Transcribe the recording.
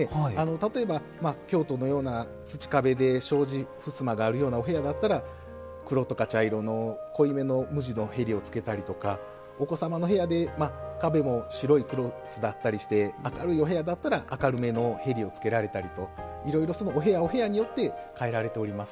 例えば京都のような土壁で障子ふすまがあるようなお部屋だったら黒とか茶色の濃いめの無地の縁をつけたりとかお子様の部屋で壁も白いクロスだったりして明るいお部屋だったら明るめの縁をつけられたりといろいろそのお部屋お部屋によって替えられております。